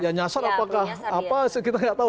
ya nyasar apakah apa kita nggak tahu